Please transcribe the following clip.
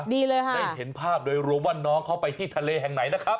ดีเลยค่ะได้เห็นภาพโดยรวมว่าน้องเขาไปที่ทะเลแห่งไหนนะครับ